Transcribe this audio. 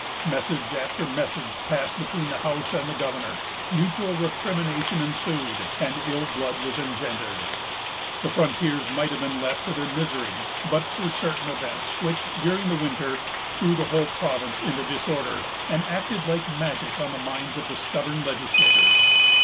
Message after message passed between the House and the governor; mutual recrimination ensued, and ill blood was engendered. The frontiers might have been left to their misery but for certain events which, during the winter, threw the whole province into disorder, and acted like magic on the minds of the stubborn legislators.